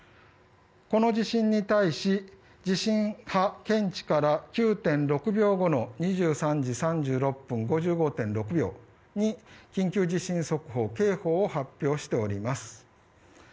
この地震に対し、地震検知から９．６秒後の２３時３６分５６秒に緊急地震速報、警報を発表しております。